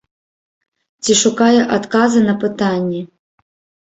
Ці шукае адказы на пытанні.